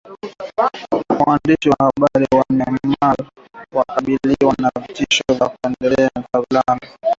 Waandishi wa Habari wa Myanmar wakabiliwa na vitisho vya kuondolewa Thailand